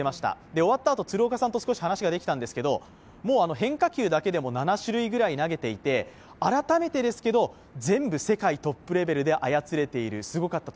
終わったあと、鶴岡さんと話ができたんですけど変化球だけでも７種類ぐらい投げていて、改めてですけど、全部世界トップレベルで操れているすごかったと。